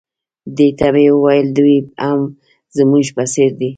دې ته مې وویل دوی هم زموږ په څېر دي.